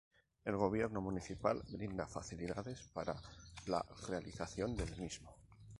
El Gobierno Municipal brinda facilidades para la realización del mismo.